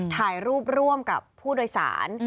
ถ่ายรูปร่วมกับผู้โดยสาร